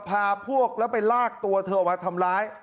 พาพวกแล้วไปลากตัวเธอมาทำร้าย